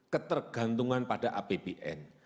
ketergantungan pada alternatif